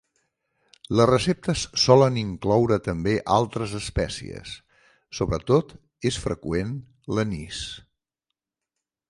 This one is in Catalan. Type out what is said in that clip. Les receptes solen incloure també altres espècies; sobretot és freqüent l'anís.